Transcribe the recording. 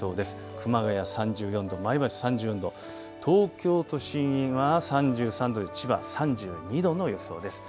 熊谷３４度、前橋３０度、東京都心は３３度で千葉３２度の予想です。